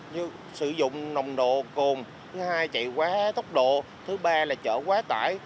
như sử dụng nồng độ cồn chạy quá tốc độ chở quá tải